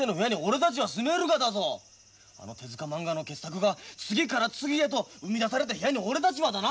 あの手まんがの傑作が次から次へと生み出された部屋に俺たちはだな。